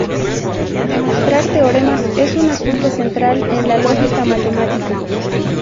Demostrar teoremas es un asunto central en la lógica matemática.